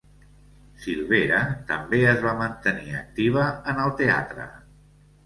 Silvera també es va mantenir activa en el teatre.